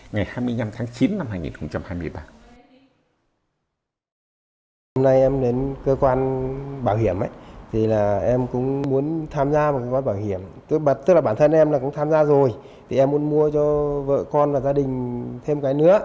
ngày hai mươi năm tháng chín năm hai nghìn hai mươi ba